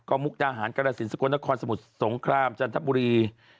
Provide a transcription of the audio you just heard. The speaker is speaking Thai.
ก็มุกดาหารกรสินสกลนครสมุทรสงครามจันทบุรี